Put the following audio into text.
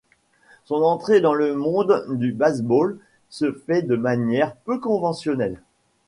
Son entrée dans le monde du baseball se fait de manière peu conventionnelle.